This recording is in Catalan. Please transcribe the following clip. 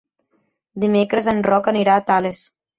Dimecres en Roc anirà a Tales.